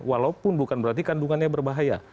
walaupun bukan berarti kandungannya berbahaya